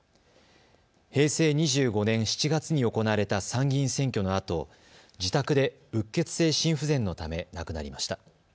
平成２５年７月に行われた参議院選挙のあと自宅で、うっ血性心不全のため亡くなりました。